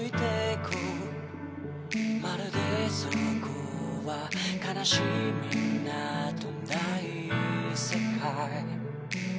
「まるでそこは悲しみなどない世界」